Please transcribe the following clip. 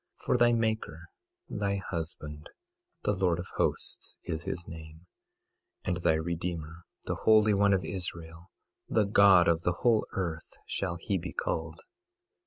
22:5 For thy maker, thy husband, the Lord of Hosts is his name; and thy Redeemer, the Holy One of Israel—the God of the whole earth shall he be called.